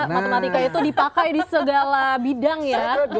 matematika itu dipakai di segala bidang ya